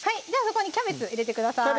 そこにキャベツ入れてください